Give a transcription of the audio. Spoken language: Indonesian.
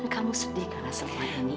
kamu sedih karena selama ini